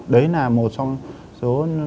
đấy là một trong số